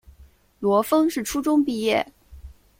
罗烽是初中毕业。